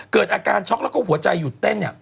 เกิดอาการช็อคแล้วก็หัวใจหยุดเต้ม